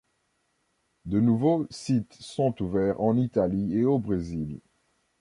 De nouveaux sites sont ouverts en Italie et au Brésil.